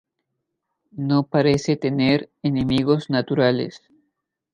No parece tener enemigos naturales.